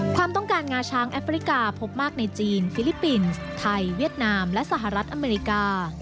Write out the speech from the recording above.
ความต้องการงาช้างแอฟริกาพบมากในจีนฟิลิปปินส์ไทยเวียดนามและสหรัฐอเมริกา